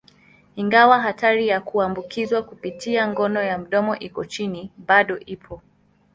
Ingawa hatari ya kuambukizwa kupitia ngono ya mdomoni iko chini, bado ipo.